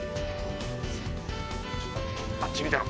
あっち見てろ！